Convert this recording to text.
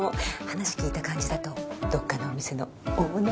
話聞いた感じだとどっかのお店のオーナーみたい。